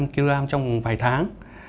ba năm kg trong vài tháng